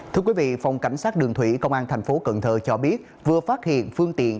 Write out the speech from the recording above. thưa quý vị phòng cảnh sát đường thủy công an tp cn cho biết vừa phát hiện phương tiện